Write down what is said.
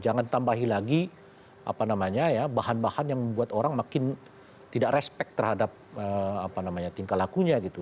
jangan tambahin lagi bahan bahan yang membuat orang makin tidak respect terhadap tingkah lakunya gitu